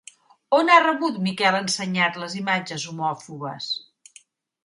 On ha rebut Miquel Ensenyat les imatges homòfobes?